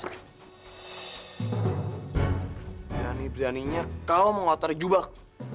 berani beraninya kau mengotori jubah